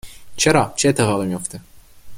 چرا، چه اتفاقی میفته؟